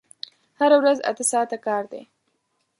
هره ورځ اته ساعته کار دی!